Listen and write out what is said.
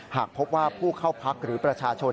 หากพบว่าผู้เข้าพักหรือประชาชน